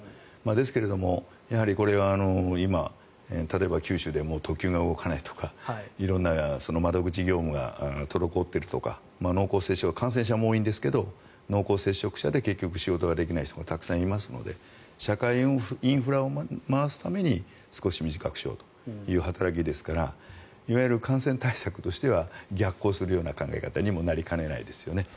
ですけれどもやはりこれが今、九州でも特急が動かないとか色んな窓口業務が滞っているとか感染者も多いんですが濃厚接触者で結局、仕事ができない人がたくさんいますので社会インフラを回すために少し短くしようという働きですからいわゆる感染対策としては逆行するような考え方にもなりかねないですよね。